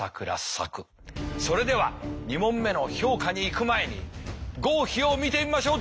それでは２問目の評価にいく前に合否を見てみましょう。